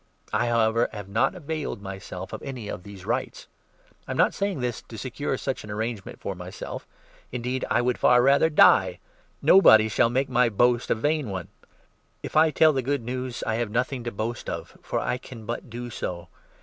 I, however, have not availed 15 myself of any of these rights. I am not saying this to secure such an arrangement for myself; indeed, I would far rather die Nobody shall make my boast a vain one ! If I tell 16 the Good News, I have nothing to boast of, for I can but do so.